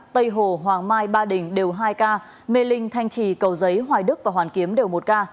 tây hồ hoàng mai ba đình đều hai ca mê linh thanh trì cầu giấy hoài đức và hoàn kiếm đều một ca